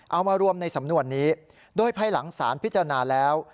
เอามารวมในสำนวนนี้โดยภายหลังสารพิจารณาแล้ว